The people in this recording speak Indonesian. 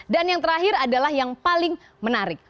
dan yang terakhir adalah yang paling menarik